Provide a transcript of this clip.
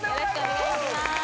よろしくお願いします